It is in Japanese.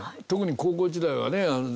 特に高校時代はね。